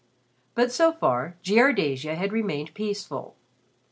But, so far, Jiardasia had remained peaceful.